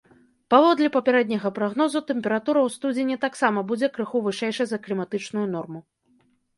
Паводле папярэдняга прагнозу, тэмпература ў студзені таксама будзе крыху вышэйшай за кліматычную норму.